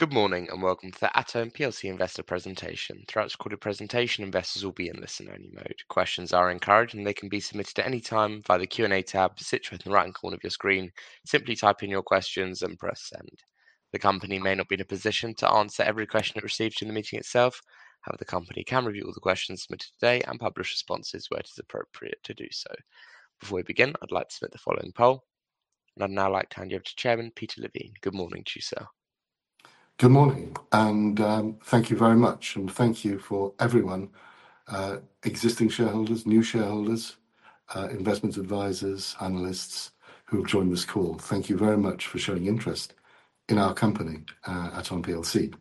Good morning and welcome to the Atome PLC Investor Presentation. Throughout the recorded presentation, investors will be in listen-only mode. Questions are encouraged, and they can be submitted at any time via the Q&A tab situated in the right-hand corner of your screen. Simply type in your questions and press Send. The company may not be in a position to answer every question it receives during the meeting itself; however, the company can review all the questions submitted today and publish responses where it is appropriate to do so. Before we begin, I'd like to submit the following poll. I'd now like to hand you over to Chairman Peter Levine. Good morning to you, sir. Good morning and thank you very much. Thank you for everyone, existing shareholders, new shareholders, investment advisors, analysts who have joined this call. Thank you very much for showing interest in our company, Atome PLC.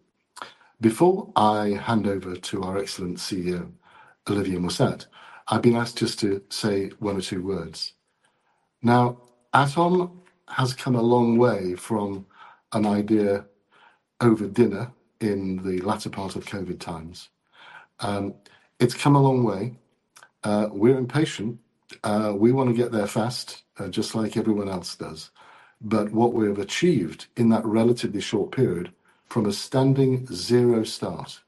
Before I hand over to our excellent CEO, Olivier Mussat, I've been asked just to say one or two words. Now, Atome PLC has come a long way from an idea over dinner in the latter part of COVID times. It's come a long way. We're impatient. We wanna get there fast, just like everyone else does. What we have achieved in that relatively short period, from a standing zero start,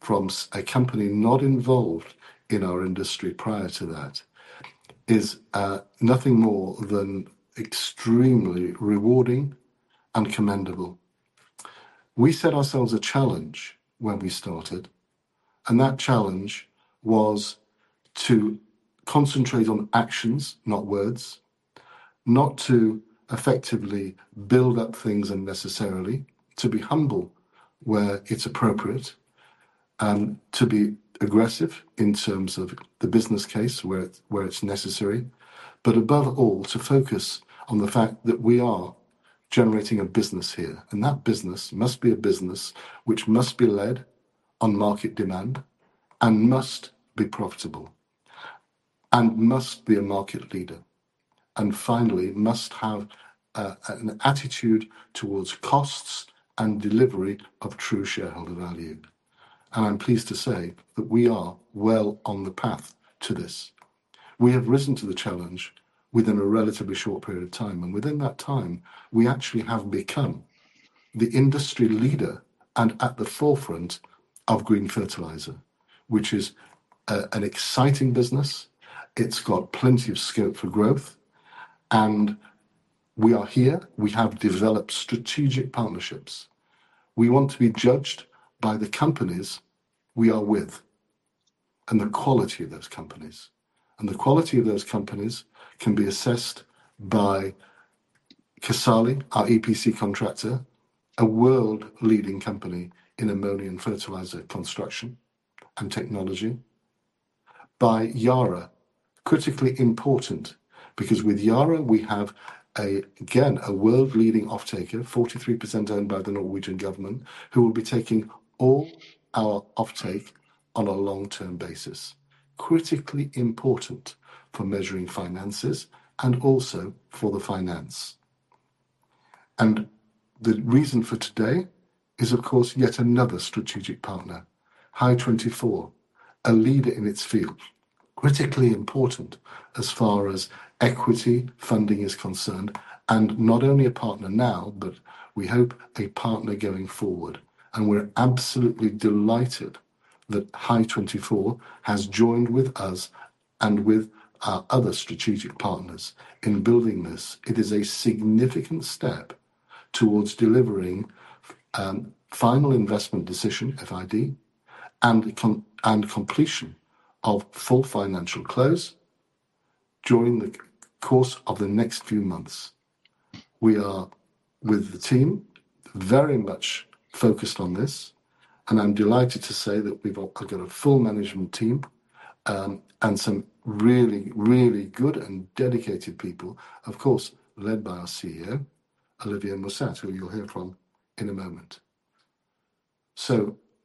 from a company not involved in our industry prior to that, is nothing more than extremely rewarding and commendable. We set ourselves a challenge when we started, and that challenge was to concentrate on actions, not words. Not to effectively build up things unnecessarily, to be humble where it's appropriate, and to be aggressive in terms of the business case where it's necessary. Above all, to focus on the fact that we are generating a business here, and that business must be a business which must be led on market demand and must be profitable and must be a market leader. Finally, must have an attitude towards costs and delivery of true shareholder value. I'm pleased to say that we are well on the path to this. We have risen to the challenge within a relatively short period of time, and within that time, we actually have become the industry leader and at the forefront of green fertilizer, which is an exciting business. It's got plenty of scope for growth, and we are here. We have developed strategic partnerships. We want to be judged by the companies we are with and the quality of those companies. The quality of those companies can be assessed by Casale, our EPC contractor, a world-leading company in ammonia and fertilizer construction and technology. By Yara, critically important because with Yara, we have a, again, a world-leading offtaker, 43% owned by the Norwegian government, who will be taking all our offtake on a long-term basis. Critically important for measuring finances and also for the finance. The reason for today is, of course, yet another strategic partner, Hy24, a leader in its field, critically important as far as equity funding is concerned, and not only a partner now, but we hope a partner going forward. We're absolutely delighted that Hy24 has joined with us and with our other strategic partners in building this. It is a significant step towards delivering final investment decision, FID, and completion of full financial close during the course of the next few months. We are, with the team, very much focused on this, and I'm delighted to say that we've all got a full management team and some really good and dedicated people, of course, led by our CEO, Olivier Mussat, who you'll hear from in a moment.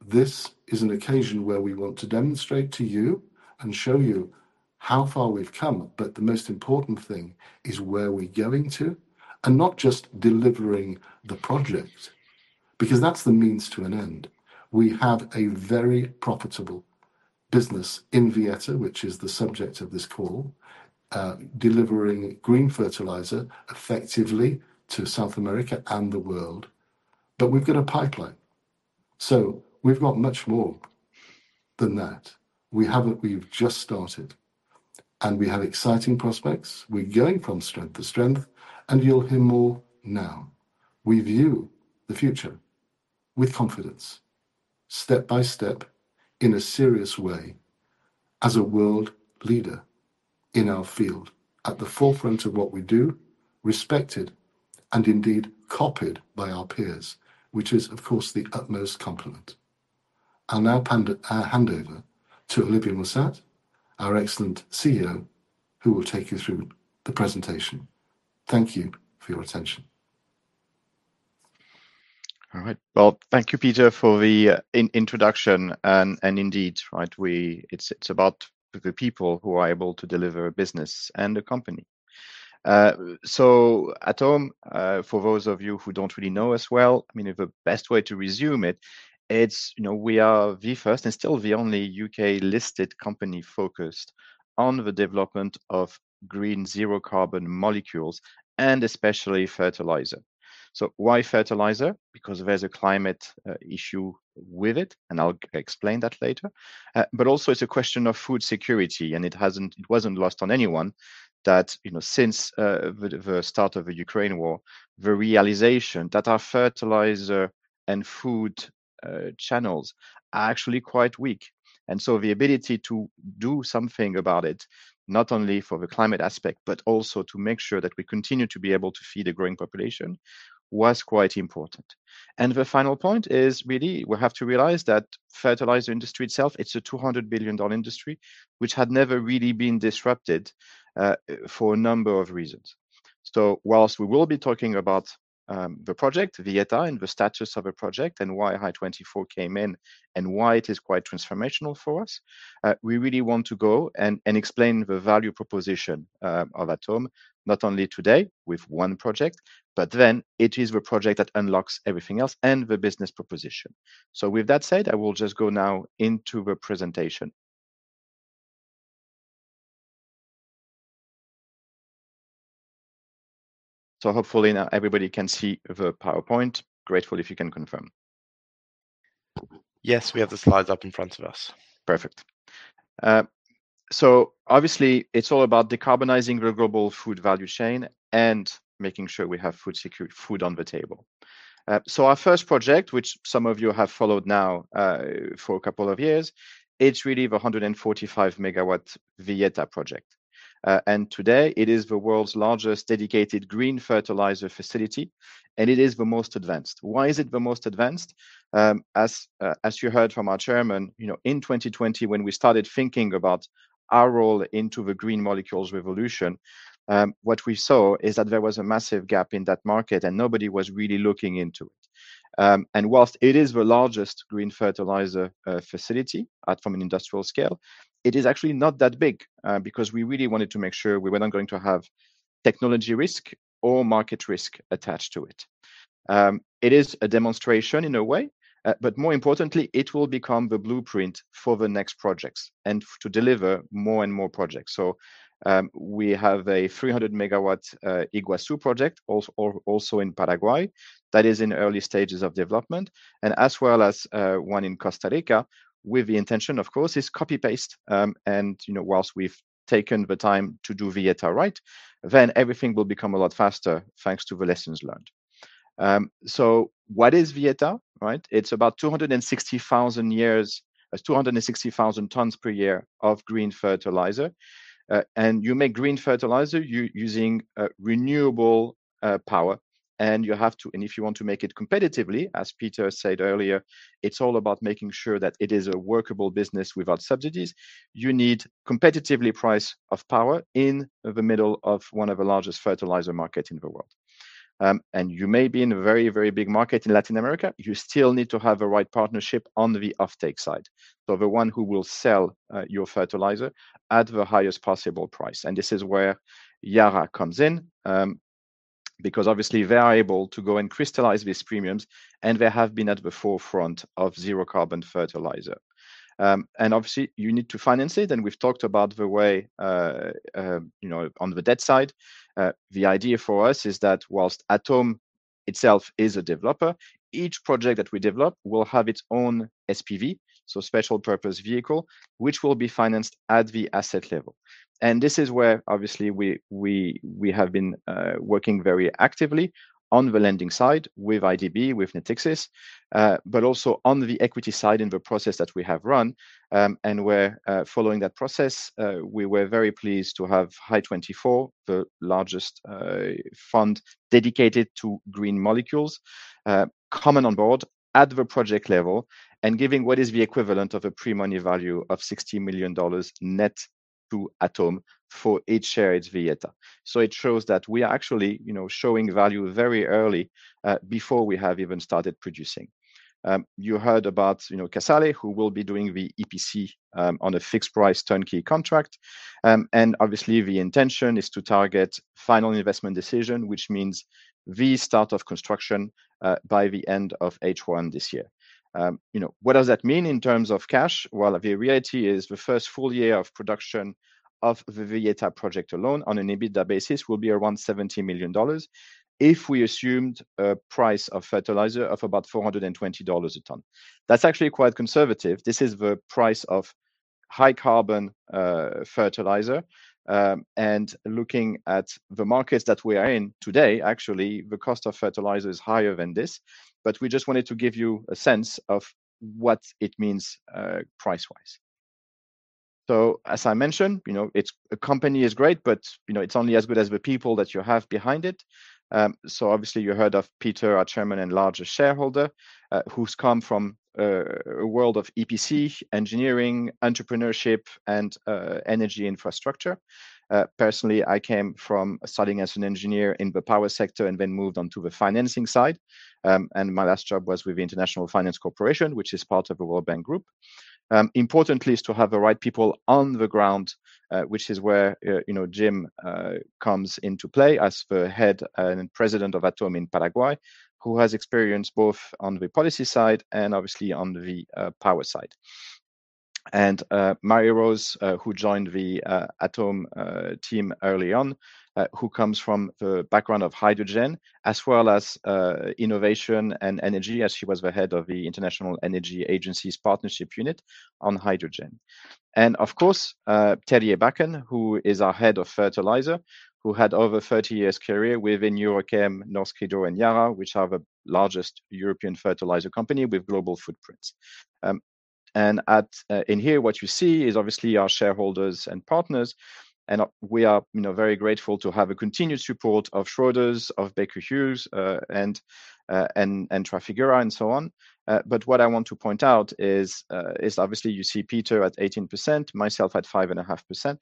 This is an occasion where we want to demonstrate to you and show you how far we've come. The most important thing is where we're going to, and not just delivering the project, because that's the means to an end. We have a very profitable business in Villeta, which is the subject of this call, delivering green fertilizer effectively to South America and the world. We've got a pipeline. We've got much more than that. We've just started, and we have exciting prospects. We're going from strength to strength, and you'll hear more now. We view the future with confidence, step by step, in a serious way, as a world leader in our field, at the forefront of what we do, respected, and indeed copied by our peers, which is, of course, the utmost compliment. I'll now hand over to Olivier Mussat, our excellent CEO, who will take you through the presentation. Thank you for your attention. All right. Well, thank you, Peter, for the introduction. Indeed, it's about the people who are able to deliver a business and a company. Atome, for those of you who don't really know us well, I mean, the best way to sum it up, you know, we are the first and still the only U.K.-listed company focused on the development of green zero-carbon molecules. Especially fertilizer. Why fertilizer? Because there's a climate issue with it, and I'll explain that later. Also it's a question of food security, and it wasn't lost on anyone that, you know, since the start of the Ukraine war, the realization that our fertilizer and food channels are actually quite weak. The ability to do something about it, not only for the climate aspect, but also to make sure that we continue to be able to feed a growing population, was quite important. The final point is really we have to realize that fertilizer industry itself, it's a $200 billion industry which had never really been disrupted, for a number of reasons. While we will be talking about the project, the data and the status of a project and why Hy24 came in and why it is quite transformational for us, we really want to go and explain the value proposition of Atome, not only today with one project, but then it is the project that unlocks everything else and the business proposition. With that said, I will just go now into the presentation. Hopefully now everybody can see the PowerPoint. Grateful if you can confirm. Yes, we have the slides up in front of us. Perfect. Obviously, it's all about decarbonizing the global food value chain and making sure we have food security, food on the table. Our first project, which some of you have followed now for a couple of years, it's really the 145 MW Villeta project. Today it is the world's largest dedicated green fertilizer facility, and it is the most advanced. Why is it the most advanced? As you heard from our chairman, you know, in 2020 when we started thinking about our role into the green molecule's revolution, what we saw is that there was a massive gap in that market and nobody was really looking into it. While it is the largest green fertilizer facility from an industrial scale, it is actually not that big because we really wanted to make sure we were not going to have technology risk or market risk attached to it. It is a demonstration in a way, but more importantly, it will become the blueprint for the next projects and to deliver more and more projects. We have a 300 MW Yguazu project also in Paraguay that is in early stages of development as well as one in Costa Rica with the intention, of course, is copy-paste. You know, while we've taken the time to do Villeta right, then everything will become a lot faster, thanks to the lessons learned. What is Villeta, right? It's about 260,000 tons per year of green fertilizer. You make green fertilizer using renewable power. If you want to make it competitively, as Peter said earlier, it's all about making sure that it is a workable business without subsidies. You need competitively priced power in the middle of one of the largest fertilizer markets in the world. You may be in a very, very big market in Latin America. You still need to have the right partnership on the offtake side. The one who will sell your fertilizer at the highest possible price, and this is where Yara comes in, because obviously they are able to go and crystallize these premiums, and they have been at the forefront of zero carbon fertilizer. Obviously, you need to finance it. We've talked about the way, you know, on the debt side. The idea for us is that whilst Atome itself is a developer, each project that we develop will have its own SPV, so special purpose vehicle, which will be financed at the asset level. This is where obviously we have been working very actively on the lending side with IDB, with Natixis, but also on the equity side in the process that we have run. We're following that process. We were very pleased to have Hy24, the largest fund dedicated to green molecules, coming on board at the project level and giving what is the equivalent of a pre-money value of $60 million net to Atome for each shared Villeta. It shows that we are actually, you know, showing value very early, before we have even started producing. You heard about, you know, Casale, who will be doing the EPC, on a fixed price turnkey contract. Obviously, the intention is to target final investment decision, which means the start of construction, by the end of H1 this year. You know, what does that mean in terms of cash? Well, the reality is the first full year of production of the Villeta project alone on an EBITDA basis will be around $70 million if we assumed a price of fertilizer of about $420 a ton. That's actually quite conservative. This is the price of high carbon fertilizer. Looking at the markets that we are in today, actually, the cost of fertilizer is higher than this. We just wanted to give you a sense of what it means, pricewise. As I mentioned, you know, it's a company is great, but you know, it's only as good as the people that you have behind it. Obviously, you heard of Peter, our Chairman and largest shareholder, who's come from a world of EPC, engineering, entrepreneurship and energy infrastructure. Personally, I came from studying as an engineer in the power sector and then moved on to the financing side. My last job was with the International Finance Corporation, which is part of the World Bank Group. Importantly is to have the right people on the ground, which is where, you know, Jim comes into play as the head and president of Atome in Paraguay, who has experience both on the policy side and obviously on the power side. Mary-Rose, who joined the Atome team early on, who comes from the background of hydrogen as well as innovation and energy as she was the head of the International Energy Agency's partnership unit on hydrogen. Of course, Terje Bakken, who is our head of fertilizer, who had over 30 years career within EuroChem, Norsk Hydro and Yara, which are the largest European fertilizer company with global footprints. At, in here, what you see is obviously our shareholders and partners, and we are, you know, very grateful to have a continuous support of Schroders, of Baker Hughes, and Trafigura and so on. But what I want to point out is obviously you see Peter at 18%, myself at 5.5%.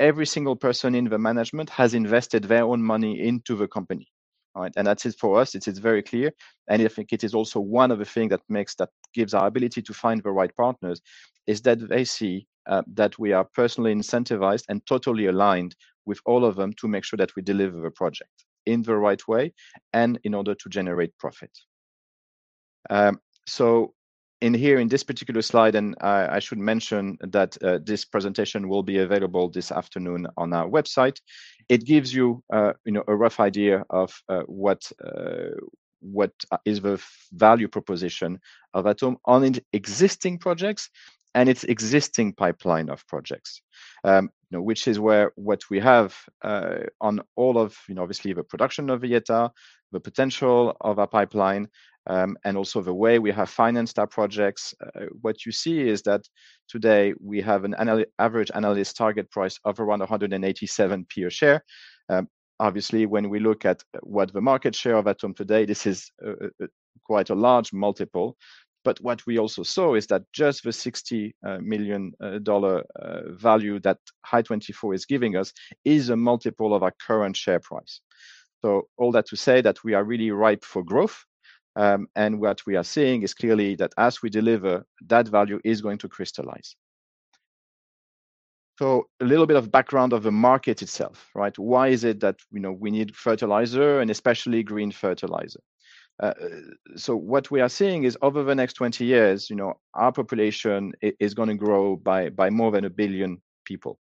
Every single person in the management has invested their own money into the company. All right? That is for us, it's very clear, and I think it is also one of the things that gives our ability to find the right partners is that they see that we are personally incentivized and totally aligned with all of them to make sure that we deliver the project in the right way and in order to generate profit. In here in this particular slide, I should mention that this presentation will be available this afternoon on our website. It gives you know, a rough idea of what is the value proposition of Atome on its existing projects and its existing pipeline of projects. Which is what we have on all of, you know, obviously the production of Villeta, the potential of our pipeline, and also the way we have financed our projects. What you see is that today we have an average analyst target price of around 187p per share. Obviously, when we look at what the market cap of Atome today, this is quite a large multiple. What we also saw is that just the $60 million value that Hy24 is giving us is a multiple of our current share price. All that to say that we are really ripe for growth, and what we are seeing is clearly that as we deliver, that value is going to crystallize. A little bit of background of the market itself, right? Why is it that, you know, we need fertilizer and especially green fertilizer? What we are seeing is over the next 20 years, you know, our population is gonna grow by more than one billion people.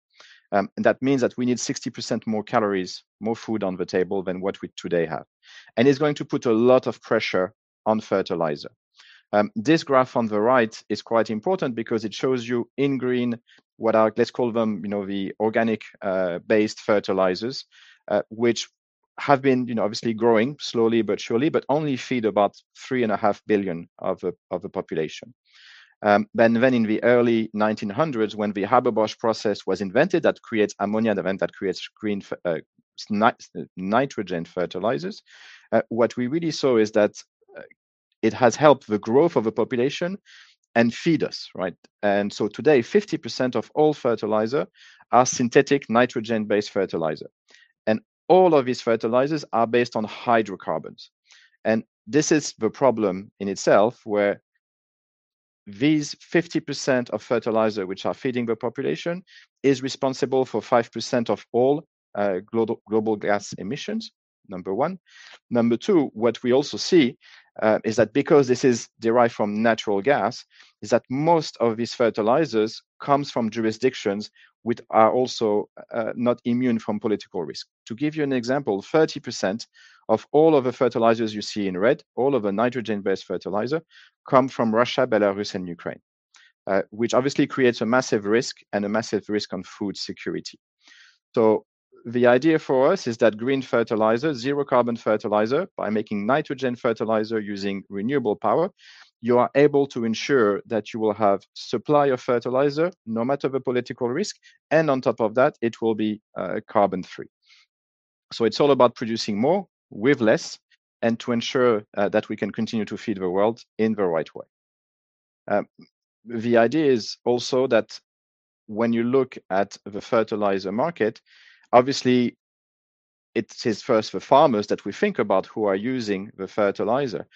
That means that we need 60% more calories, more food on the table than what we today have. It's going to put a lot of pressure on fertilizer. This graph on the right is quite important because it shows you in green what are, let's call them, you know, the organic based fertilizers, which have been, you know, obviously growing slowly but surely, but only feed about 3.5 billion of the population. In the early 1900s, when the Haber-Bosch process was invented, that creates ammonia and then that creates nitrogen fertilizers. What we really saw is that it has helped the growth of the population and feed us, right? Today, 50% of all fertilizer are synthetic nitrogen-based fertilizer. All of these fertilizers are based on hydrocarbons. This is the problem in itself, where these 50% of fertilizer which are feeding the population is responsible for 5% of all global gas emissions, number one. Number two, what we also see is that because this is derived from natural gas, most of these fertilizers comes from jurisdictions which are also not immune from political risk. To give you an example, 30% of all of the fertilizers you see in red, all of the nitrogen-based fertilizer, come from Russia, Belarus and Ukraine, which obviously creates a massive risk on food security. The idea for us is that green fertilizer, zero carbon fertilizer, by making nitrogen fertilizer using renewable power, you are able to ensure that you will have supply of fertilizer no matter the political risk, and on top of that, it will be carbon free. It's all about producing more with less and to ensure that we can continue to feed the world in the right way. The idea is also that when you look at the fertilizer market, obviously it is first the farmers that we think about who are using the fertilizer.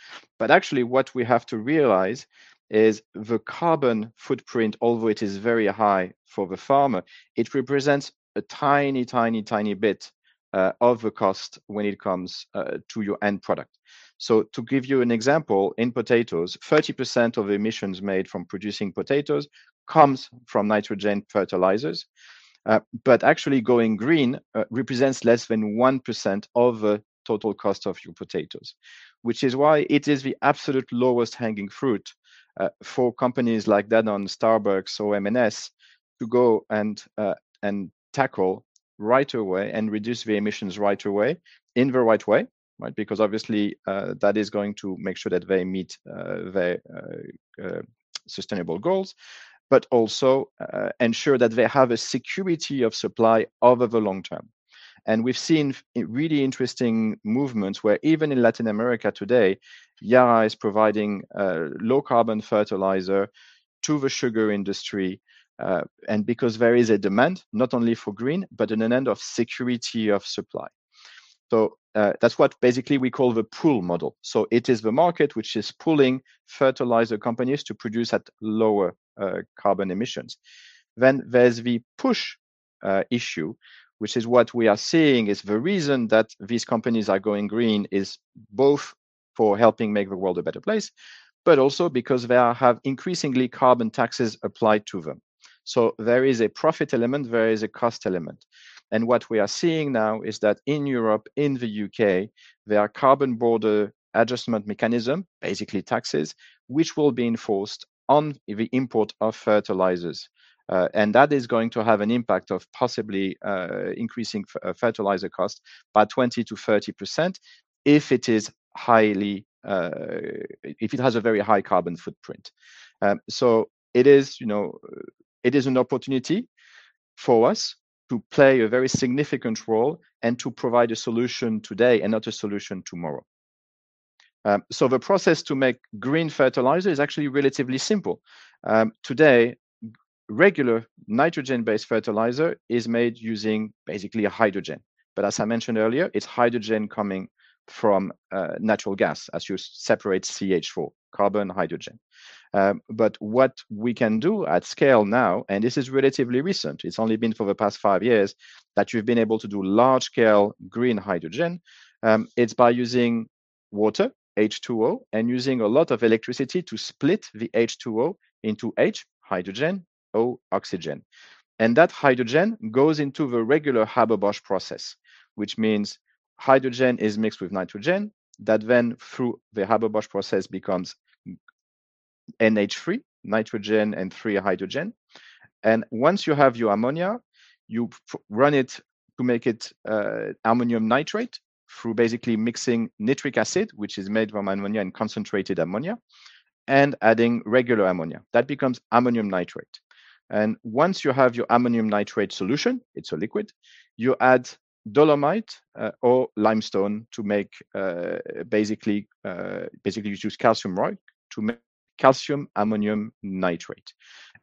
Actually, what we have to realize is the carbon footprint, although it is very high for the farmer, it represents a tiny bit of the cost when it comes to your end product. To give you an example, in potatoes, 30% of emissions made from producing potatoes comes from nitrogen fertilizers. Actually, going green represents less than 1% of the total cost of your potatoes. Which is why it is the absolute lowest hanging fruit for companies like Danone, Starbucks or M&S to go and tackle right away and reduce the emissions right away in the right way, right? Because obviously, that is going to make sure that they meet their sustainable goals but also ensure that they have a security of supply over the long term. We've seen a really interesting movement where even in Latin America today, Yara is providing low carbon fertilizer to the sugar industry, and because there is a demand not only for green, but in the end, security of supply. That's what basically we call the pull model. It is the market which is pulling fertilizer companies to produce at lower carbon emissions. There's the push issue, which is what we are seeing is the reason that these companies are going green is both for helping make the world a better place, but also because they have increasingly carbon taxes applied to them. There is a profit element, there is a cost element. What we are seeing now is that in Europe, in the U.K., there are Carbon Border Adjustment Mechanism, basically taxes, which will be enforced on the import of fertilizers. And that is going to have an impact of possibly increasing fertilizer costs by 20%-30% if it has a very high carbon footprint. It is, you know, it is an opportunity for us to play a very significant role and to provide a solution today and not a solution tomorrow. The process to make green fertilizer is actually relatively simple. Today, regular nitrogen-based fertilizer is made using basically hydrogen. But as I mentioned earlier, it's hydrogen coming from natural gas as you separate CH4, carbon, hydrogen. What we can do at scale now, and this is relatively recent, it's only been for the past five years that we've been able to do large scale green hydrogen. It's by using water, H2O, and using a lot of electricity to split the H2O into H, hydrogen, O, oxygen. That hydrogen goes into the regular Haber-Bosch process, which means hydrogen is mixed with nitrogen. That then through the Haber-Bosch process becomes NH3, nitrogen and three hydrogens. Once you have your ammonia, you run it to make it ammonium nitrate through basically mixing nitric acid, which is made from ammonia and concentrated ammonia, and adding regular ammonia. That becomes ammonium nitrate. Once you have your ammonium nitrate solution, it's a liquid, you add dolomite or limestone to make basically you use calcium oxide to make calcium ammonium nitrate.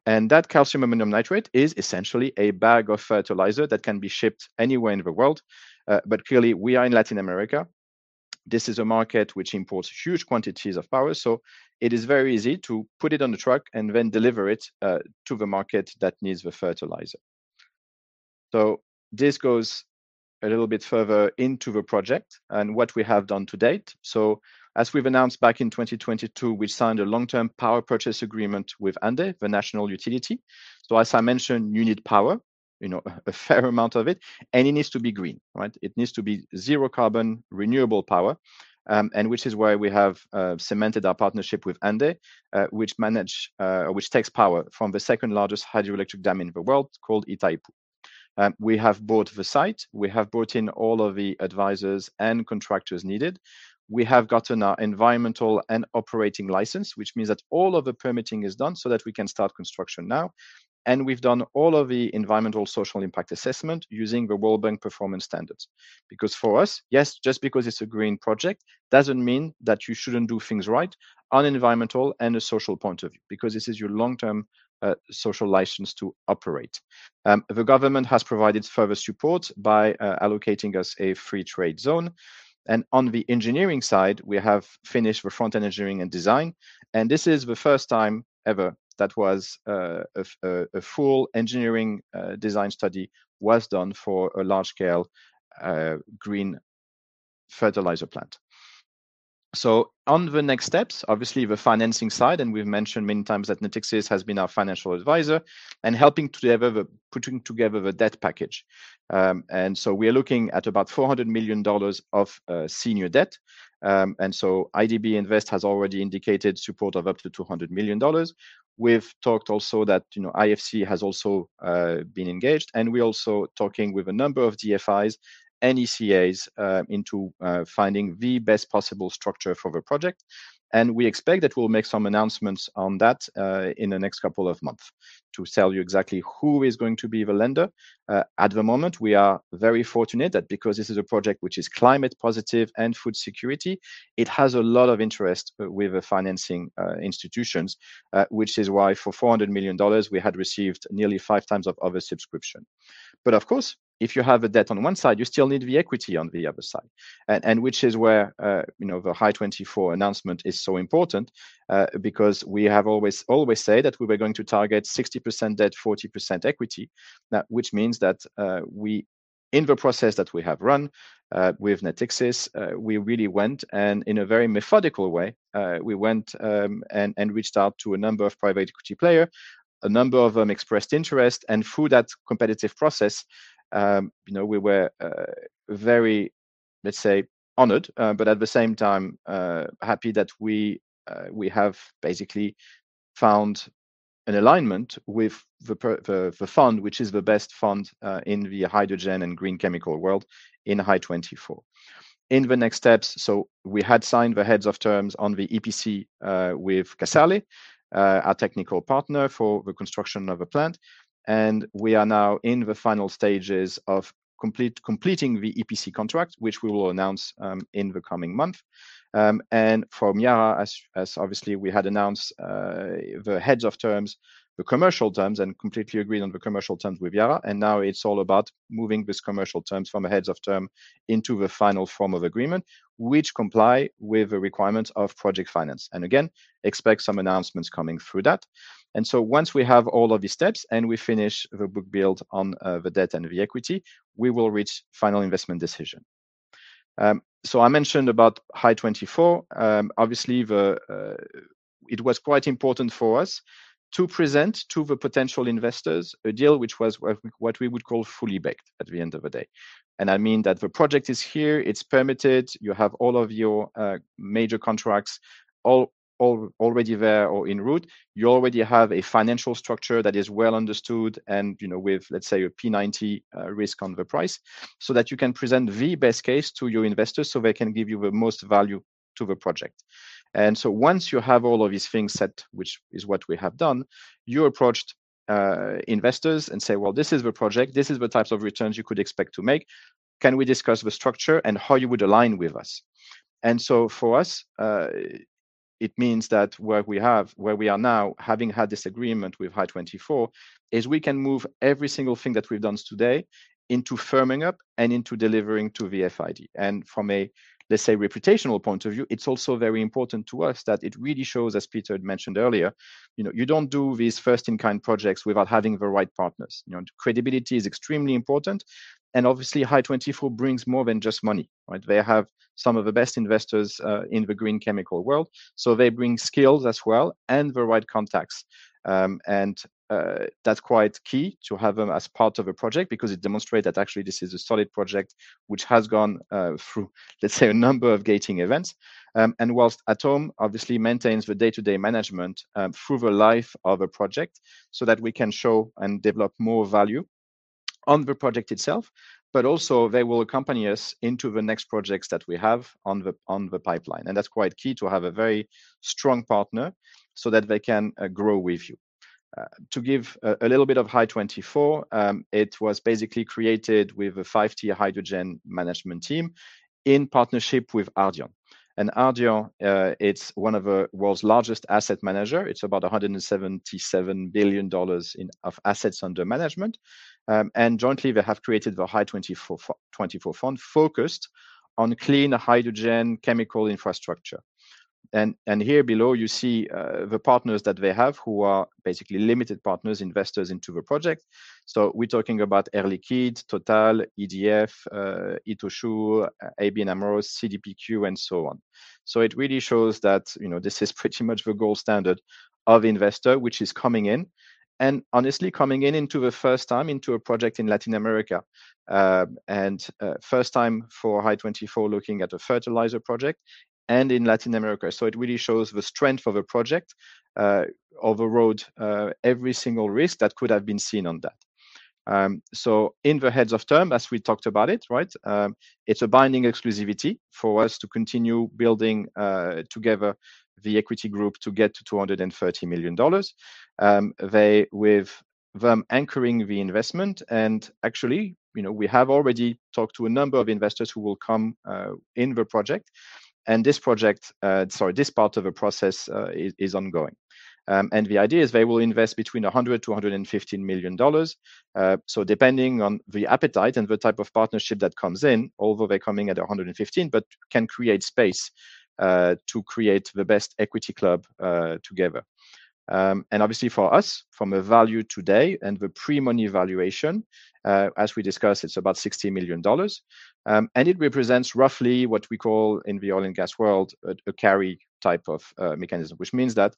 That calcium ammonium nitrate is essentially a bag of fertilizer that can be shipped anywhere in the world. But clearly, we are in Latin America. This is a market which imports huge quantities of fertilizer, so it is very easy to put it on the truck and then deliver it to the market that needs the fertilizer. This goes a little bit further into the project and what we have done to date. As we've announced back in 2022, we signed a long-term power purchase agreement with ANDE, the national utility. As I mentioned, you need power, you know, a fair amount of it, and it needs to be green, right? It needs to be zero carbon renewable power. Which is why we have cemented our partnership with ANDE, which takes power from the second-largest hydroelectric dam in the world called Itaipu. We have bought the site. We have brought in all of the advisors and contractors needed. We have gotten our environmental and operating license, which means that all of the permitting is done so that we can start construction now. We've done all of the environmental social impact assessment using the World Bank Performance Standards. Because for us, yes, just because it's a green project doesn't mean that you shouldn't do things right on environmental and a social point of view, because this is your long-term social license to operate. The government has provided further support by allocating us a Free Trade Zone. On the engineering side, we have finished the front-end engineering and design, and this is the first time ever that a full engineering design study was done for a large-scale green fertilizer plant. On the next steps, obviously the financing side, and we've mentioned many times that Natixis has been our financial advisor and helping to put together the debt package. We are looking at about $400 million of senior debt. IDB Invest has already indicated support of up to $200 million. We've talked also that, you know, IFC has also been engaged, and we're also talking with a number of DFIs and ECAs into finding the best possible structure for the project. We expect that we'll make some announcements on that in the next couple of months to tell you exactly who is going to be the lender. At the moment, we are very fortunate that because this is a project which is climate positive and food security, it has a lot of interest with the financing institutions, which is why for $400 million, we had received nearly 5x of oversubscription. Of course, if you have a debt on one side, you still need the equity on the other side. Which is where, you know, the Hy24 announcement is so important, because we have always said that we were going to target 60% debt, 40% equity. That means that we're in the process that we have run with Natixis. We really went and in a very methodical way we went and reached out to a number of private equity players. A number of them expressed interest. Through that competitive process, you know, we were very, let's say honored, but at the same time happy that we have basically found an alignment with the the fund, which is the best fund in the hydrogen and green chemical world in Hy24. In the next steps, we had signed the heads of terms on the EPC with Casale, our technical partner for the construction of a plant. We are now in the final stages of completing the EPC contract, which we will announce in the coming month. From Yara, as obviously we had announced the heads of terms, the commercial terms, and completely agreed on the commercial terms with Yara, and now it's all about moving these commercial terms from a head of term into the final form of agreement, which comply with the requirements of project finance. Expect some announcements coming through that. Once we have all of these steps and we finish the book build on the debt and the equity, we will reach final investment decision. I mentioned about Hy24. Obviously, it was quite important for us to present to the potential investors a deal which was what we would call fully baked at the end of the day. I mean that the project is here, it's permitted, you have all of your major contracts already there or en route. You already have a financial structure that is well understood and, you know, with, let's say, a 90p risk on the price, so that you can present the best case to your investors, so they can give you the most value to the project. Once you have all of these things set, which is what we have done, you approach investors and say, "Well, this is the project. This is the types of returns you could expect to make. Can we discuss the structure and how you would align with us?" For us, it means that where we are now, having had this agreement with Hy24, is we can move every single thing that we've done today into firming up and into delivering to the FID. From a, let's say, reputational point of view, it's also very important to us that it really shows, as Peter had mentioned earlier, you know, you don't do these first-in-kind projects without having the right partners. You know, credibility is extremely important. Obviously, Hy24 brings more than just money, right? They have some of the best investors in the green chemical world. They bring skills as well and the right contacts. That's quite key to have them as part of a project because it demonstrates that actually this is a solid project which has gone through, let's say, a number of gating events. While Atome obviously maintains the day-to-day management through the life of a project, so that we can show and develop more value on the project itself, but also, they will accompany us into the next projects that we have on the pipeline. That's quite key to have a very strong partner so that they can grow with you. To give a little bit of Hy24, it was basically created with FiveT Hydrogen in partnership with Ardian. Ardian, it's one of the world's largest asset manager. It's about $177 billion of assets under management. Jointly, they have created the Hy24 twenty-four fund focused on clean hydrogen chemical infrastructure. Here below, you see the partners that they have who are basically limited partners, investors into the project. We're talking about Air Liquide, Total, EDF, Itochu, ABN AMRO, CDPQ, and so on. It really shows that, you know, this is pretty much the gold standard of investor, which is coming in, and honestly coming in into the first time into a project in Latin America. First time for Hy24 looking at a fertilizer project and in Latin America. It really shows the strength of a project overrode every single risk that could have been seen on that. In the heads of term, as we talked about it, right, it's a binding exclusivity for us to continue building together the equity group to get to $230 million. Them anchoring the investment and actually, you know, we have already talked to a number of investors who will come in the project. This part of the process is ongoing. The idea is they will invest between $100 million-$115 million. Depending on the appetite and the type of partnership that comes in, although they're coming at $115 million, but can create space to create the best equity club together. Obviously for us, from a value today and the pre-money valuation, as we discussed, it's about $60 million. It represents roughly what we call in the oil and gas world, a carry type of mechanism, which means that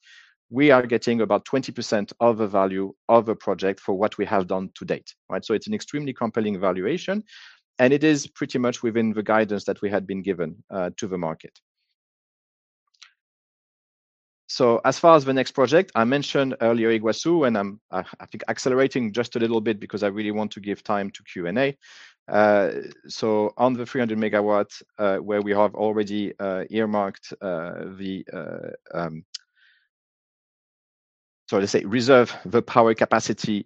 we are getting about 20% of the value of a project for what we have done to date, right? It's an extremely compelling valuation, and it is pretty much within the guidance that we had been given to the market. As far as the next project, I mentioned earlier Yguazu, and I'm accelerating just a little bit because I really want to give time to Q&A. On the 300 MW, where we have already earmarked the so let's say reserve the power capacity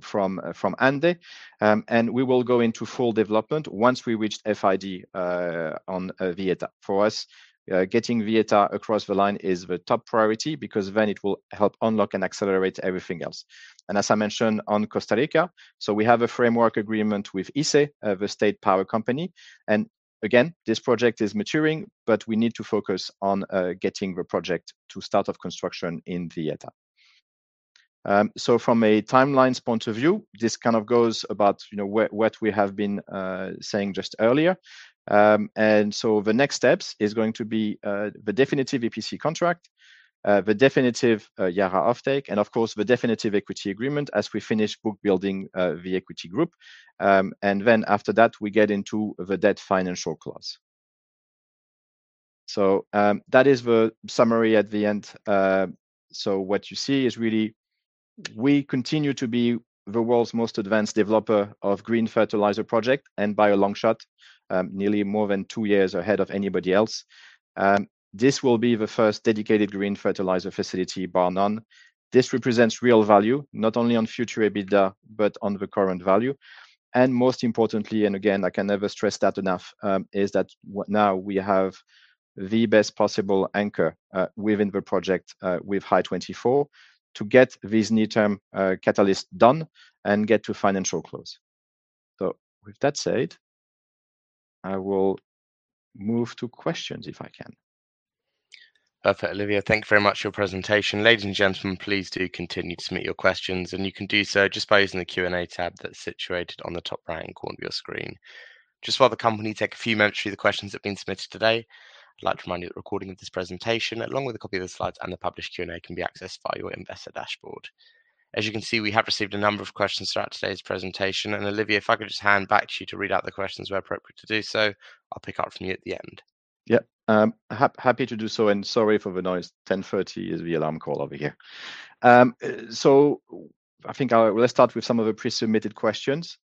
from ANDE, and we will go into full development once we reach FID on Villeta. For us, getting Villeta across the line is the top priority because then it will help unlock and accelerate everything else. As I mentioned on Costa Rica, we have a framework agreement with ICE, the state power company. Again, this project is maturing, but we need to focus on getting the project to start of construction in Villeta. From a timelines point of view, this kind of goes about, you know, what we have been saying just earlier. The next steps is going to be the definitive EPC contract, the definitive Yara offtake, and of course, the definitive equity agreement as we finish book building the equity group. After that, we get into the debt financial close. That is the summary at the end. What you see is really we continue to be the world's most advanced developer of green fertilizer project and by a long shot, nearly more than two years ahead of anybody else. This will be the first dedicated green fertilizer facility, bar none. This represents real value, not only on future EBITDA, but on the current value. Most importantly, and again, I can never stress that enough, is that now we have the best possible anchor within the project with Hy24 to get this near-term catalyst done and get to financial close. With that said, I will move to questions if I can. Perfect. Olivier, thank you very much for your presentation. Ladies and gentlemen, please do continue to submit your questions, and you can do so just by using the Q&A tab that's situated on the top right-hand corner of your screen. Just while the company take a few moments through the questions that have been submitted today, I'd like to remind you that recording of this presentation, along with a copy of the slides and the published Q&A, can be accessed via your investor dashboard. As you can see, we have received a number of questions throughout today's presentation, and Olivier, if I could just hand back to you to read out the questions where appropriate to do so, I'll pick up from you at the end. Yeah. Happy to do so, and sorry for the noise. 10:30 is the alarm call over here. Let's start with some of the pre-submitted questions.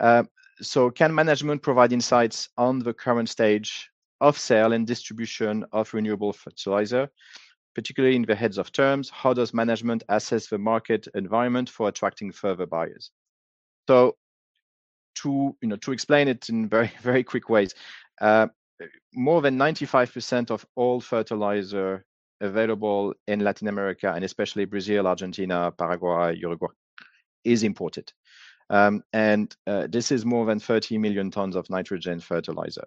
Can management provide insights on the current stage of sale and distribution of renewable fertilizer, particularly in the heads of terms? How does management assess the market environment for attracting further buyers? To, you know, to explain it in very, very quick ways, more than 95% of all fertilizer available in Latin America, and especially Brazil, Argentina, Paraguay, Uruguay, is imported. This is more than 30 million tons of nitrogen fertilizer.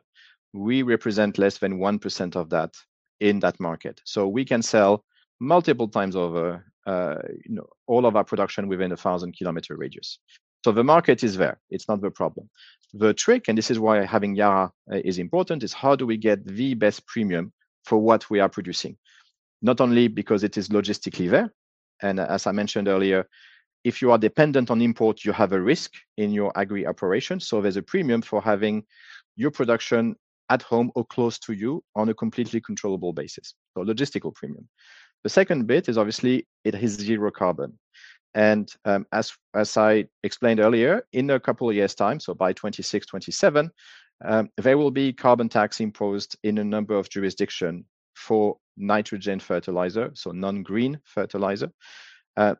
We represent less than 1% of that in that market. We can sell multiple times over, you know, all of our production within a 1,000-km radius. The market is there; it's not the problem. The trick, and this is why having Yara is important, is how do we get the best premium for what we are producing? Not only because it is logistically there, and as I mentioned earlier, if you are dependent on import, you have a risk in your agri operation. There's a premium for having your production at home or close to you on a completely controllable basis. Logistical premium. The second bit is obviously it is zero carbon, and as I explained earlier, in a couple of years' time, so by 2026, 2027, there will be carbon tax imposed in a number of jurisdictions for nitrogen fertilizer, so non-green fertilizer.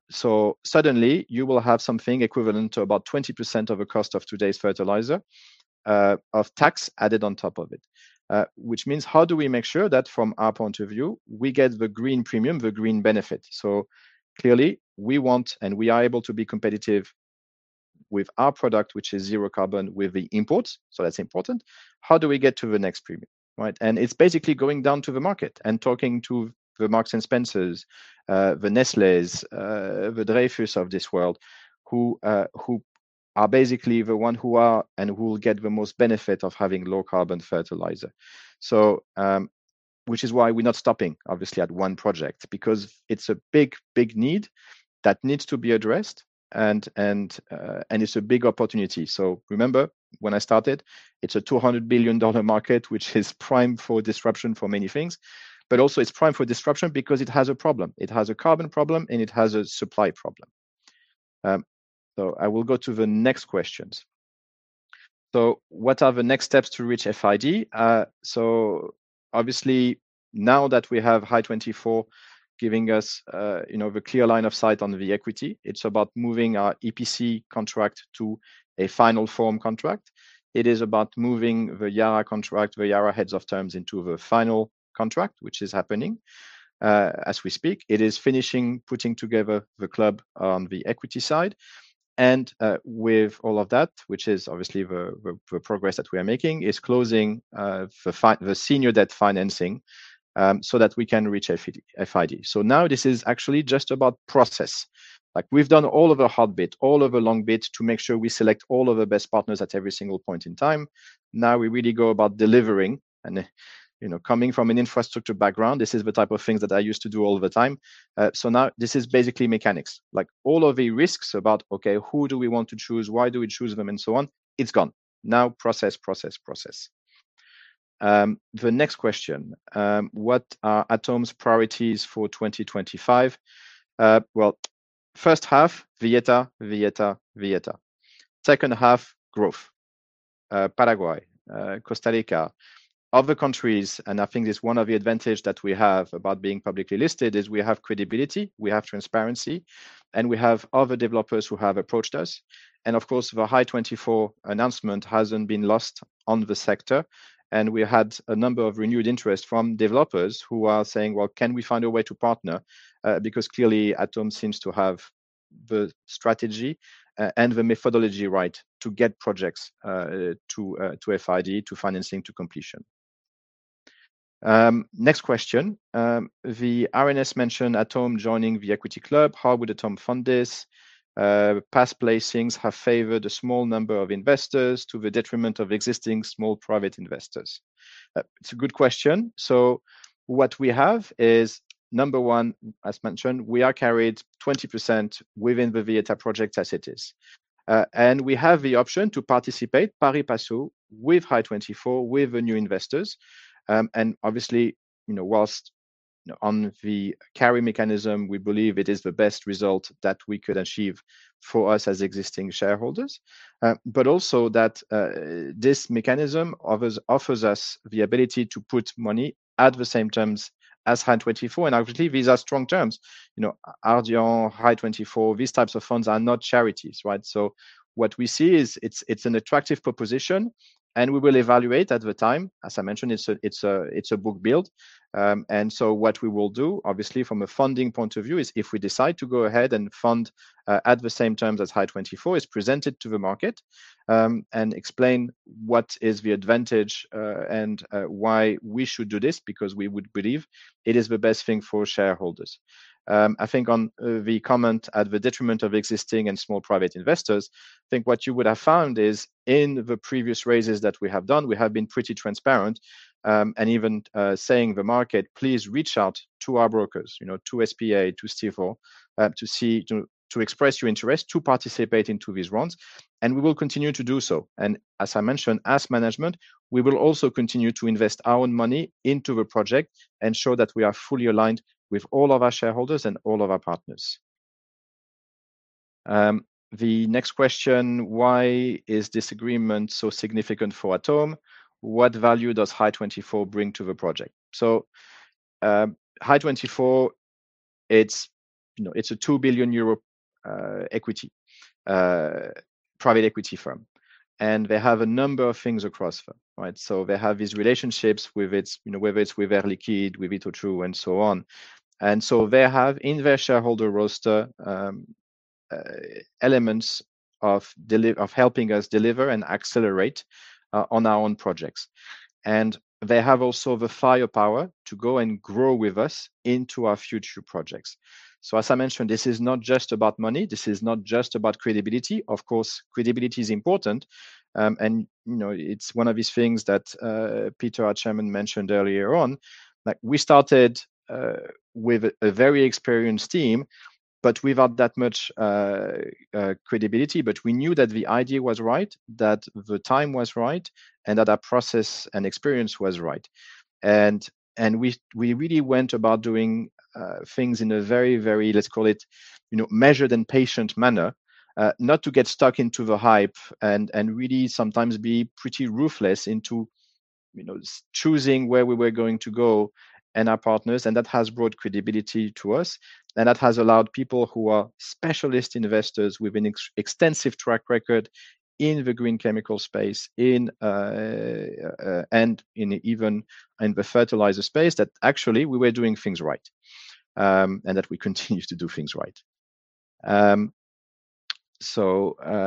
Suddenly you will have something equivalent to about 20% of the cost of today's fertilizer, of tax added on top of it. Which means how do we make sure that from our point of view, we get the green premium, the green benefit? Clearly, we want and we are able to be competitive with our product, which is zero carbon, with the imports, so that's important. How do we get to the next premium, right? It's basically going down to the market and talking to the Marks and Spencer, the Nestlé, the Dreyfus of this world who are basically the one who are and who will get the most benefit of having low carbon fertilizer. Which is why we're not stopping obviously at one project because it's a big, big need that needs to be addressed and it's a big opportunity. Remember when I started, it's a $200 billion market, which is prime for disruption for many things, but also, it's prime for disruption because it has a problem. It has a carbon problem, and it has a supply problem. I will go to the next questions. What are the next steps to reach FID? Obviously now that we have Hy24 giving us, you know, the clear line of sight on the equity, it's about moving our EPC contract to a final form contract. It is about moving the Yara contract, the Yara heads of terms into the final contract, which is happening, as we speak. It is finishing putting together the club on the equity side and, with all of that, which is obviously the progress that we are making, is closing the senior debt financing, so that we can reach FID. Now this is actually just about process. Like we've done all of the hard bit, all of the long bit to make sure we select all of the best partners at every single point in time. Now we really go about delivering and, you know, coming from an infrastructure background, this is the type of things that I used to do all the time. Now this is basically mechanics. Like all of the risks about, okay, who do we want to choose? Why do we choose them and so on, it's gone. Now process. The next question. What are Atome's priorities for 2025? Well, first half, Villeta. Second half, growth. Paraguay, Costa Rica, other countries, and I think it's one of the advantage that we have about being publicly listed is we have credibility, we have transparency, and we have other developers who have approached us. Of course, the Hy24 announcement hasn't been lost on the sector, and we had a number of renewed interests from developers who are saying, "Well, can we find a way to partner?" Because clearly, Atome seems to have the strategy and the methodology right to get projects to FID, to financing, to completion. Next question. The RNS mentioned Atome joining the equity club. How would Atome fund this? Past placings have favored a small number of investors to the detriment of existing small private investors. It's a good question. What we have is, number one, as mentioned, we are carried 20% within the Villeta project as it is. We have the option to participate pari passu with Hy24, with the new investors. Obviously, you know, while on the carry mechanism, we believe it is the best result that we could achieve for us as existing shareholders. But also, that, this mechanism offers us the ability to put money at the same terms as Hy24, and obviously, these are strong terms. You know, Ardian, Hy24, these types of funds are not charities, right? What we see is it's an attractive proposition, and we will evaluate at the time. As I mentioned, it's a book build. What we will do, obviously from a funding point of view, is if we decide to go ahead and fund at the same terms as Hy24, present it to the market and explain what the advantage is and why we should do this because we believe it is the best thing for shareholders. I think on the comment at the detriment of existing and small private investors, what you would have found is in the previous raises that we have done, we have been pretty transparent and even saying to the market, please reach out to our brokers, you know, to [SP Angel], to, to express your interest to participate in these rounds. We will continue to do so. As I mentioned, as management, we will also continue to invest our own money into the project and show that we are fully aligned with all of our shareholders and all of our partners. The next question, why is this agreement so significant for Atome? What value does Hy24 bring to the project? Hy24, it's, you know, it's a 2 billion euro equity private equity firm, and they have a number of things across firm, right? They have these relationships with its, you know, whether it's with Air Liquide, with Itochu and so on. They have in their shareholder roster elements of helping us deliver and accelerate on our own projects. They have also the firepower to go and grow with us into our future projects. As I mentioned, this is not just about money, this is not just about credibility. Of course, credibility is important, and you know, it's one of these things that, Peter, our Chairman, mentioned earlier on. Like, we started with a very experienced team, but without that much credibility. But we knew that the idea was right, that the time was right, and that our process and experience was right. We really went about doing things in a very, let's call it, you know, measured and patient manner. Not to get stuck into the hype and really sometimes be pretty ruthless in choosing where we were going to go and our partners. That has brought credibility to us. That has allowed people who are specialist investors with an extensive track record in the green chemical space, and even in the fertilizer space, that actually we were doing things right, and that we continue to do things right. I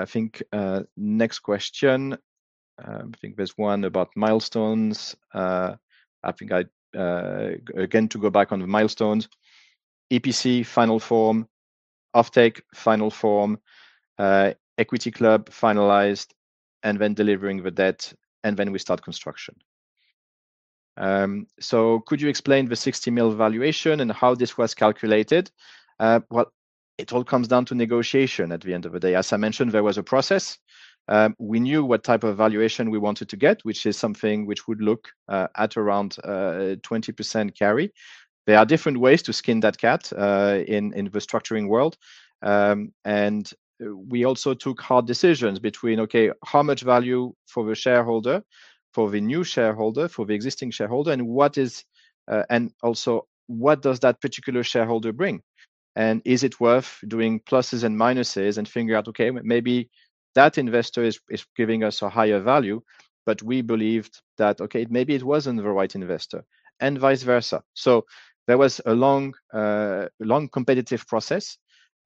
think next question, I think there's one about milestones. I think I'd again to go back on the milestones. EPC final form, offtake final form, equity club finalized, and then delivering the debt, and then we start construction. Could you explain the $60 million valuation and how this was calculated? Well, it all comes down to negotiation at the end of the day. As I mentioned, there was a process. We knew what type of valuation we wanted to get, which is something which would look at around 20% carry. There are different ways to skin that cat in the structuring world. We also took hard decisions between, okay, how much value for the shareholder, for the new shareholder, for the existing shareholder, and what is, and also what does that particular shareholder bring? And is it worth doing pluses and minuses and figure out, okay, maybe that investor is giving us a higher value, but we believed that, okay, maybe it wasn't the right investor, and vice versa. There was a long competitive process.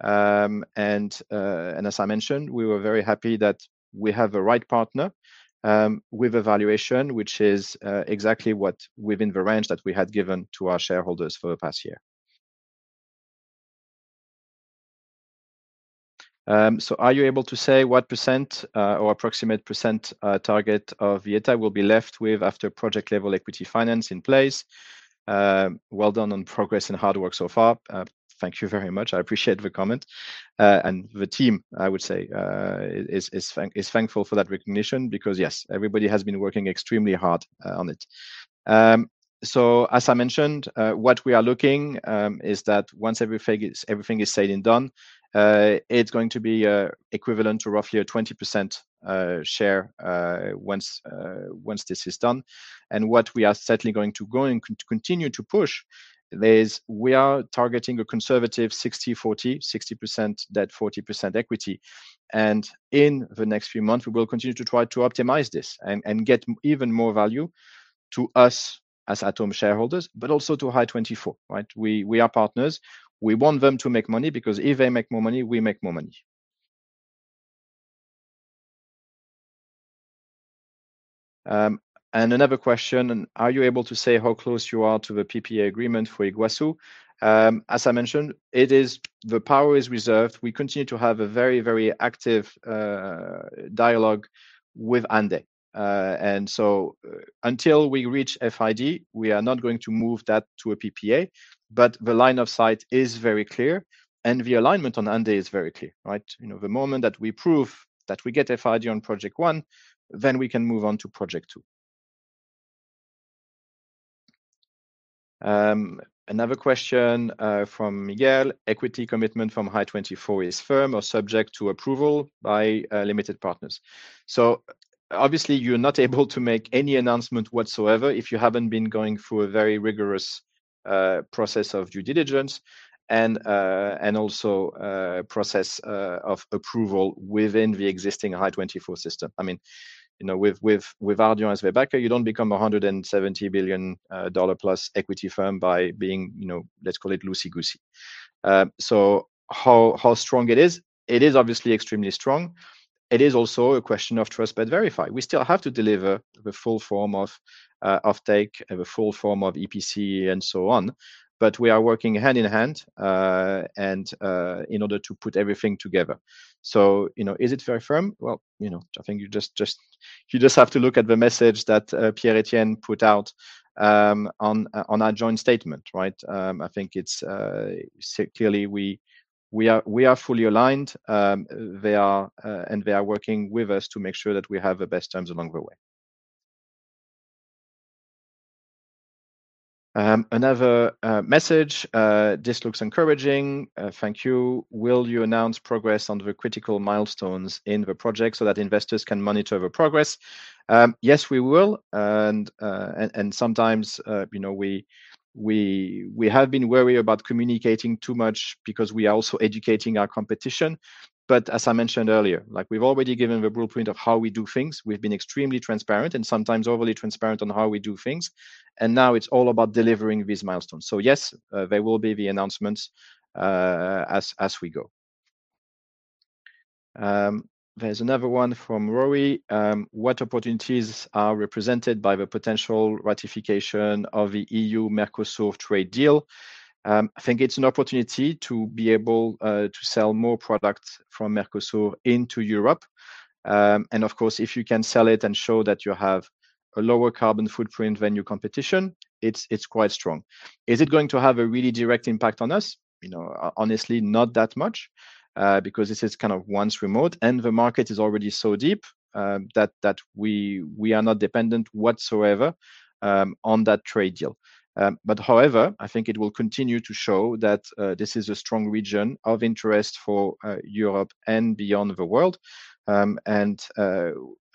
As I mentioned, we were very happy that we have the right partner with a valuation which is exactly what within the range that we had given to our shareholders for the past year. Are you able to say what percent or approximate percent target of Villeta will be left with after project-level equity finance in place? Well, done on progress and hard work so far. Thank you very much. I appreciate the comment. The team, I would say, is thankful for that recognition because, yes, everybody has been working extremely hard on it. As I mentioned, what we are looking is that once everything is said and done, it's going to be equivalent to roughly a 20% share once this is done. What we are certainly going to go and continue to push is we are targeting a conservative 60/40, 60% debt, 40% equity. In the next few months, we will continue to try to optimize this and get even more value to us as Atome shareholders, but also to Hy24, right? We are partners. We want them to make money because if they make more money, we make more money. Another question, are you able to say how close you are to the PPA agreement for Yguazu? As I mentioned, it is the power is reserved. We continue to have a very, very active dialogue with Ande. Until we reach FID, we are not going to move that to a PPA. The line of sight is very clear, and the alignment on Ande is very clear, right? You know, the moment that we prove that we get FID on project one, then we can move on to project two. Another question from Miguel. Equity commitment from Hy24 is firm or subject to approval by limited partners. Obviously, you're not able to make any announcement whatsoever if you haven't been going through a very rigorous process of due diligence and also process of approval within the existing Hy24 system. I mean, you know, with Ardian as their backer, you don't become a $170 billion+ equity firm by being, you know, let's call it loosey-goosey. How strong it is? It is obviously extremely strong. It is also a question of trust but verify. We still have to deliver the full form of offtake, the full form of EPC and so on. We are working hand in hand and in order to put everything together. You know, is it very firm? Well, you know, I think you just have to look at the message that Pierre Etienne put out on our joint statement, right? I think it's clearly; we are fully aligned; they are working with us to make sure that we have the best terms along the way. Another message, this looks encouraging. Thank you. Will you announce progress on the critical milestones in the project so that investors can monitor the progress? Yes, we will. Sometimes, you know, we have been wary about communicating too much because we are also educating our competition. But as I mentioned earlier, like we've already given the blueprint of how we do things. We've been extremely transparent and sometimes overly transparent on how we do things. Now it's all about delivering these milestones. Yes, there will be the announcements as we go. There's another one from Rory. What opportunities are represented by the potential ratification of the E.U.-Mercosur trade deal? I think it's an opportunity to be able to sell more products from Mercosur into Europe. Of course, if you can sell it and show that you have a lower carbon footprint than your competition, it's quite strong. Is it going to have a really direct impact on us? You know, honestly, not that much, because this is kind of once remote, and the market is already so deep, that we are not dependent whatsoever on that trade deal. However, I think it will continue to show that this is a strong region of interest for Europe and beyond the world.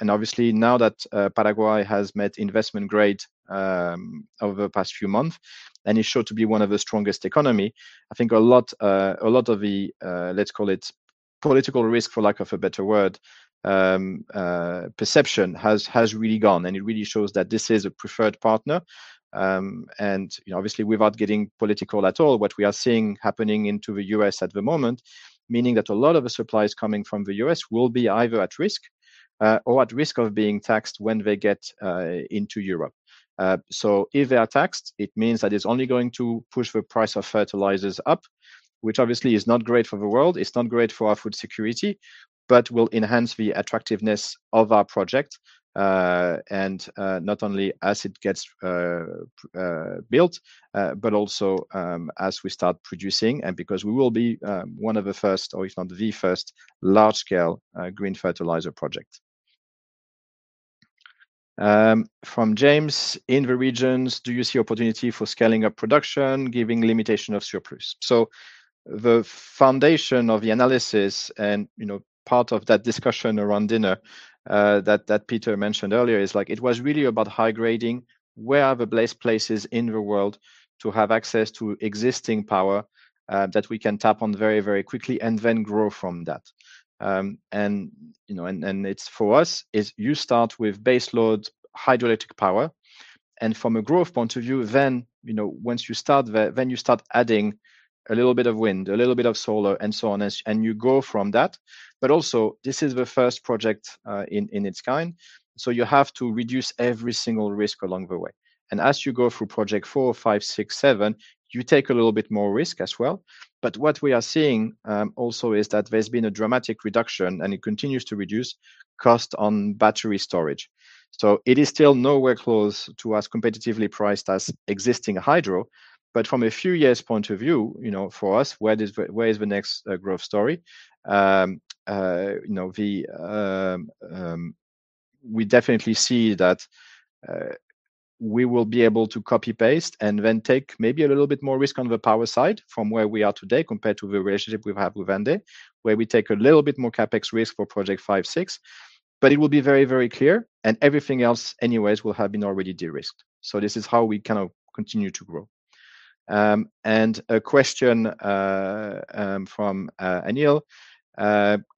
Obviously now that Paraguay has met investment grade over the past few months and is sure to be one of the strongest economy, I think a lot of the, let's call it political risk, for lack of a better word, perception has really gone, and it really shows that this is a preferred partner. You know, obviously without getting political at all, what we are seeing happening into the U.S. at the moment, meaning that a lot of the supplies coming from the U.S. will be either at risk or at risk of being taxed when they get into Europe. If they are taxed, it means that it's only going to push the price of fertilizers up, which obviously is not great for the world. It's not great for our food security, but will enhance the attractiveness of our project. Not only as it gets built, but also as we start producing and because we will be one of the first, or if not the first, large scale green fertilizer project. From James. In the regions, do you see opportunity for scaling up production, given the limitation of surplus? The foundation of the analysis and, you know, part of that discussion around dinner that Peter mentioned earlier is like, it was really about high grading. Where are the places in the world to have access to existing power that we can tap on very, very quickly and then grow from that. It's for us you start with base load hydroelectric power. From a growth point of view, then, once you start adding a little bit of wind, a little bit of solar and so on, and you go from that. Also, this is the first project in its kind. You have to reduce every single risk along the way. As you go through project four, five, six, seven, you take a little bit more risk as well. What we are seeing also is that there's been a dramatic reduction, and it continues to reduce cost on battery storage. It is still nowhere close to as competitively priced as existing hydro. From a few years' point of view, you know, for us, where is the next growth story? We definitely see that we will be able to copy-paste and then take maybe a little bit more risk on the power side from where we are today compared to the relationship we have with Ande, where we take a little bit more CapEx risk for project five, six. It will be very, very clear, and everything else anyways will have been already de-risked. This is how we kind of continue to grow. A question from Anil.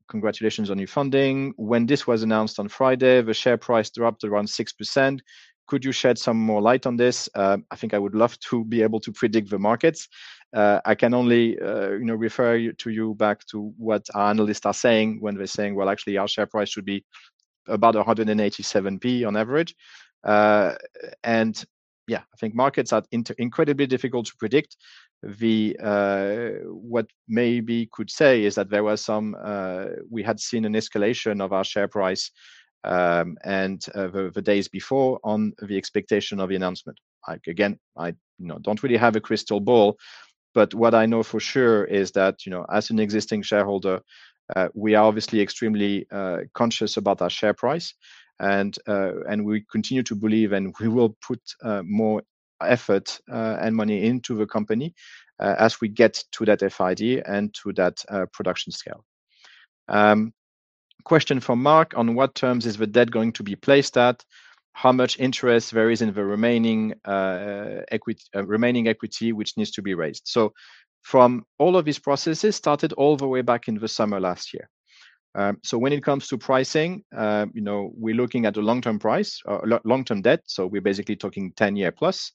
Congratulations on your funding. When this was announced on Friday, the share price dropped around 6%. Could you shed some more light on this? I think I would love to be able to predict the markets. I can only, you know, refer you back to what our analysts are saying when they're saying, "Well, actually our share price should be about 187 on average." Yeah, I think markets are incredibly difficult to predict. What I could say is that we had seen an escalation of our share price in the days before on the expectation of the announcement. Like, again, I you know don't really have a crystal ball, but what I know for sure is that, you know, as an existing shareholder, we are obviously extremely conscious about our share price, and we continue to believe, and we will put more effort and money into the company as we get to that FID and to that production scale. Question from Mark. On what terms is the debt going to be placed at? How much interest versus the remaining equity which needs to be raised? From all of these processes started all the way back in the summer last year. When it comes to pricing, you know, we're looking at a long-term price or long-term debt, so we're basically talking 10-year plus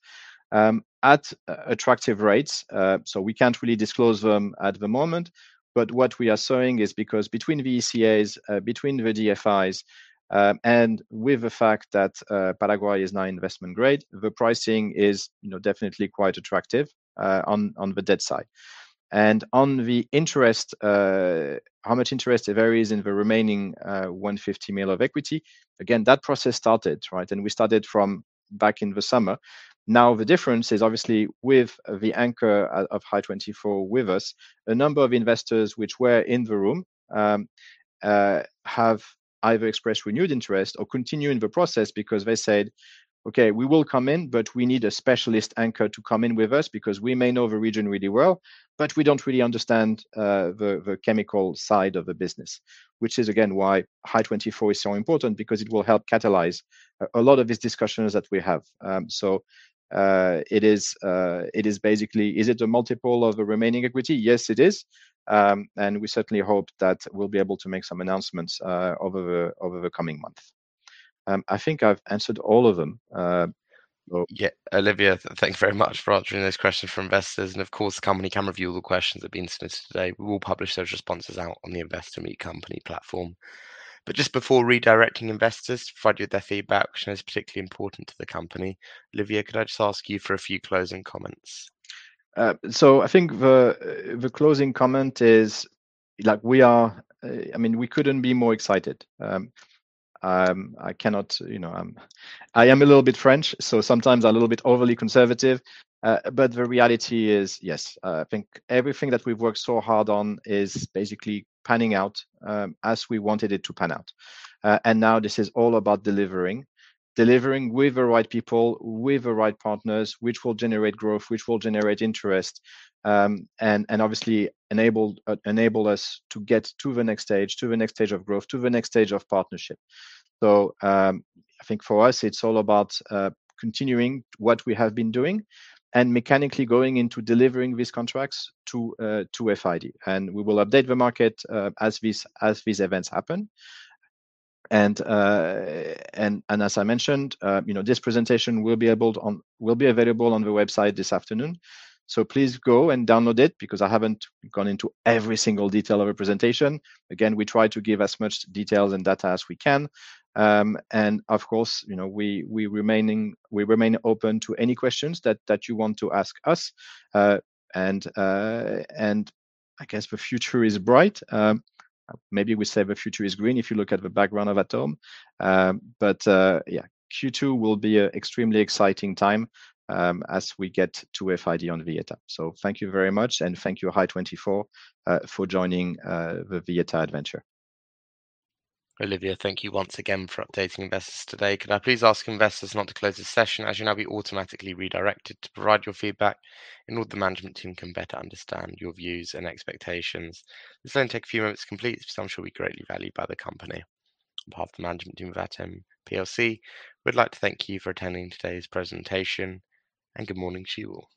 at attractive rates. We can't really disclose them at the moment, but what we are seeing is because between the ECAs, between the DFIs, and with the fact that Paraguay is now investment grade, the pricing is, you know, definitely quite attractive on the debt side. And on the interest, how much interest? It varies in the remaining $150 million of equity. Again, that process started, right? We started back in the summer. Now, the difference is obviously with the anchor of Hy24 with us, a number of investors which were in the room have either expressed renewed interest or continue in the process because they said, "Okay, we will come in, but we need a specialist anchor to come in with us because we may know the region really well, but we don't really understand the chemical side of the business." Which is again why Hy24 is so important because it will help catalyze a lot of these discussions that we have. It is basically, is it a multiple of the remaining equity? Yes, it is. We certainly hope that we'll be able to make some announcements over the coming months. I think I've answered all of them. Yeah. Olivier, thank you very much for answering those questions from investors and of course, the company can review all the questions that have been submitted today. We will publish those responses out on the Investor Meet Company platform. Just before redirecting investors to provide, you with their feedback, which I know is particularly important to the company, Olivier, could I just ask you for a few closing comments? I think the closing comment is like we are, I mean, we couldn't be more excited. I cannot, you know, I am a little bit French, so sometimes a little bit overly conservative. The reality is, yes, I think everything that we've worked so hard on is basically panning out, as we wanted it to pan out. Now this is all about delivering. Delivering with the right people, with the right partners, which will generate growth, which will generate interest, and obviously enable us to get to the next stage, to the next stage of growth, to the next stage of partnership. I think for us, it's all about continuing what we have been doing and mechanically going into delivering these contracts to FID. We will update the market as these events happen. As I mentioned, you know, this presentation will be available on the website this afternoon. Please go and download it because I haven't gone into every single detail of presentation. Again, we try to give as much details and data as we can. Of course, you know, we remain open to any questions that you want to ask us. I guess the future is bright. Maybe we say the future is green if you look at the background of Atome. Yeah, Q2 will be an extremely exciting time as we get to FID on Villeta. Thank you very much and thank you Hy24 for joining the Villeta adventure. Olivier, thank you once again for updating investors today. Could I please ask investors not to close this session, as you'll now be automatically redirected to provide your feedback in order that the management team can better understand your views and expectations. This will only take a few moments to complete. This I'm sure will be greatly valued by the company. On behalf of the management team of Atome PLC, we'd like to thank you for attending today's presentation, and good morning to you all.